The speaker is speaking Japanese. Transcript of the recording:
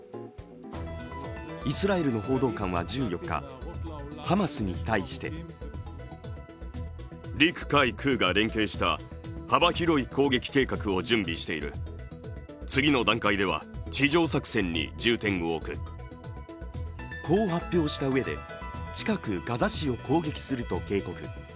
イスラエルの報道官は１４日、ハマスに対してこう発表したうえで近くガザ市を攻撃すると警告。